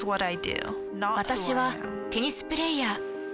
私はテニスプレイヤー。